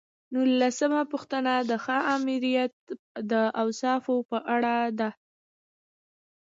نولسمه پوښتنه د ښه آمریت د اوصافو په اړه ده.